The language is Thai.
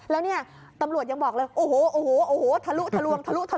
แล้วนี่ตำรวจยังบอกเลยโอ้โฮทะลุ